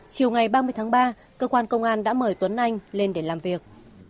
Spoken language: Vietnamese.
chiều ngày ba mươi tháng ba cơ quan công an đã mời tuấn anh lên để làm việc